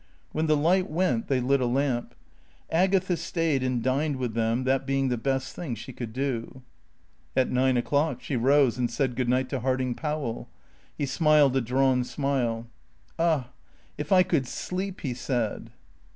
When the light went, they lit a lamp. Agatha stayed and dined with them, that being the best thing she could do. At nine o'clock she rose and said good night to Harding Powell. He smiled a drawn smile. "Ah if I could sleep " he said.